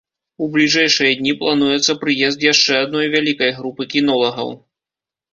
У бліжэйшыя дні плануецца прыезд яшчэ адной вялікай групы кінолагаў.